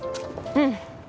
うん。